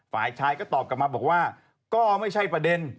ฝ่ายชายก็ตอบกลับมาบอกว่าก็ไม่ใช่ประเด็น